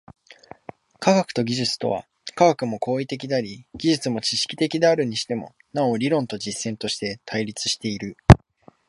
科学と技術とは、科学も行為的であり技術も知識的であるにしても、なお理論と実践として対立している。